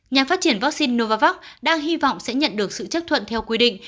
nhà phát triển vaccine novavax đang hy vọng sẽ nhận được sự chấp thuận theo quy định